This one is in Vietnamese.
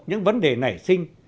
những vấn đề nảy sinh